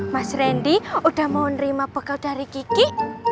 mas rendy udah mau nerima bekal dari kiki